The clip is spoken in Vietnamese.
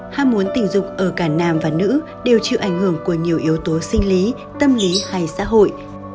ham muốn tình dục ở cả nam và nữ đều chịu ảnh hưởng của nhiều yếu tố sinh lý tâm lý hay xã hội